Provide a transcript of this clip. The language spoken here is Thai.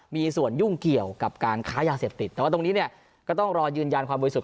มีส่วนยุ่งเกี่ยวกับการค้ายาเสพติดแต่ว่าตรงนี้เนี่ยก็ต้องรอยืนยันความบริสุทธิ